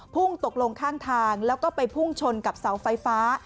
พุ่งตกลงข้างทางแล้วก็ไปพุ่งชนกับเสาไฟฟ้า